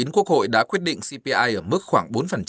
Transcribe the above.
quốc hội đã quyết định cpi ở mức khoảng bốn